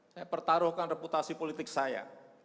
saya pertaruhkan reputasi politik saya